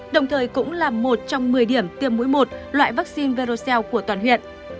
đồng thời cũng là một trong một mươi điểm tiêm mũi một loại vaccine veroxel của toàn huyện